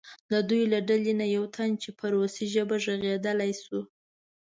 د دوی له ډلې نه یو تن چې په روسي ژبه غږېدلی شو.